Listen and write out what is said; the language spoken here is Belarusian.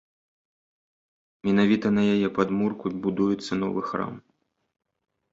Менавіта на яе падмурку будуецца новы храм.